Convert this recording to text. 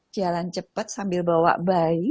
jalan cepat sambil bawa bayi